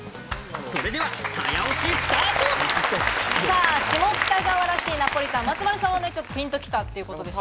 それでは、早押しスタート！下北沢らしいナポリタン、松丸さんはピンときたということですが。